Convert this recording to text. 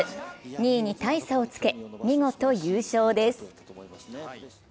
２位に大差をつけ、見事優勝です。